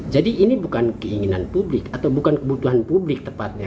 jadi ini bukan kebutuhan publik